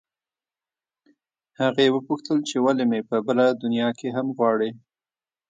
هغې وپوښتل چې ولې مې په بله دنیا کې هم غواړې